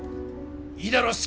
いいだろう！